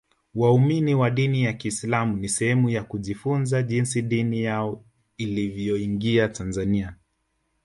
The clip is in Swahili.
waumini wa dini ya kiislamu ni sehemu ya kujifunza jinsi dini yao ilivyoingia tanzania